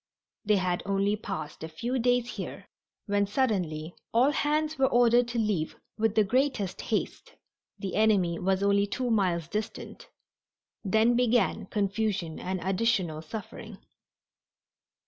They had only passed a few days here when suddenly all hands were ordered to leave with the greatest haste the enemy was only two miles distant. Then began confusion and additional suffering.